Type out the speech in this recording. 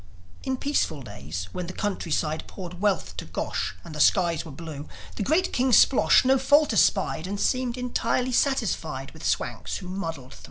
In peaceful days when the countryside Poured wealth to Gosh, and the skies were blue, The great King Splosh no fault espied, And seemed entirely satisfied With Swanks who muddled thro'.